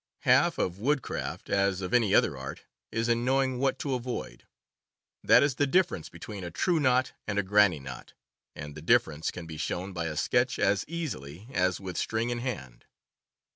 Half of woodcraft, as of any other art, is in knowing what to avoid. That is the difference between a true knot and a granny knot, and the difference can be shown by a sketch as easily as with string in hand.